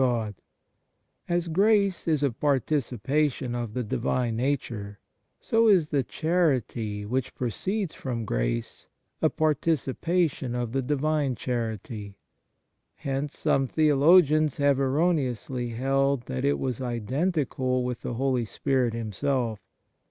99 G THE MARVELS OF DIVINE GRACE As grace is a participation of the Divine Nature, so is the charity which proceeds from grace a participation of the Divine charity; hence some theologians have erroneously held that it was identical with the Holy Spirit Himself.